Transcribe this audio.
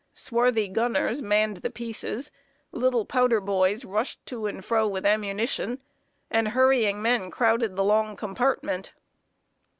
Swarthy gunners manned the pieces; little powder boys rushed to and fro with ammunition, and hurrying men crowded the long compartment.